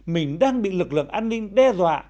mình đang bị lực lượng an ninh đe dọa